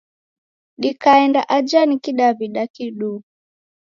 Dikaenda aja ni Kidaw'ida kiduu.